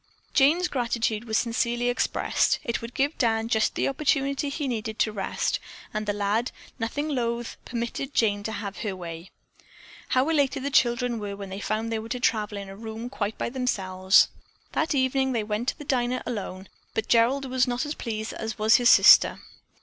Jane's gratitude was sincerely expressed. It would give Dan just the opportunity he needed to rest, and the lad, nothing loath, permitted Jane to have her way. How elated the children were when they found that they were to travel in a room quite by themselves. That evening they went to the diner alone, but Gerald was not as pleased as was his sister.